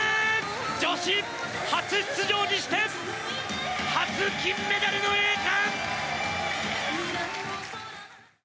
女子初出場にして初金メダルの栄冠！